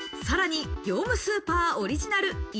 さらに業務スーパーオリジナル。